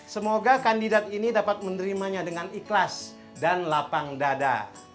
semoga kandidat ini dapat menerimanya dengan ikhlas dan lapang dada